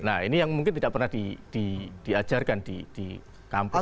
nah ini yang mungkin tidak pernah diajarkan di kampus